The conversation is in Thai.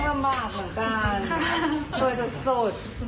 ขอบคุณมากเหมือนกันสวยสุด